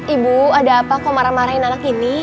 ibu ada apa kok marah marahin anak ini